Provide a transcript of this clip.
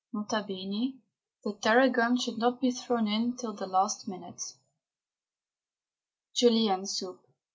N.B. The tarragon should not be thrown in till the last minute. JULIENNE SOUP.